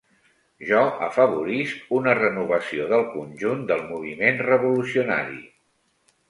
Jo afavorisc una renovació del conjunt del moviment revolucionari.